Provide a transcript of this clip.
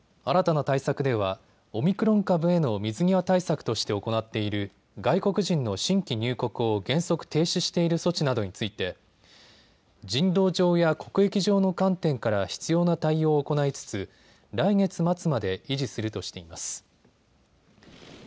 新たな対策ではオミクロン株への水際対策として行っている外国人の新規入国を原則停止している措置などについて人道上や国益上の観点から必要な対応を行いつつ来月末まで維持するとしています。